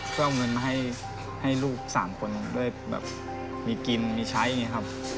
ก็เอาเงินมาให้ลูก๓คนด้วยแบบมีกินมีใช้อย่างนี้ครับ